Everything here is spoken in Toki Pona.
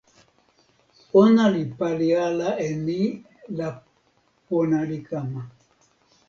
ona li pali ala e ni la pona li kama.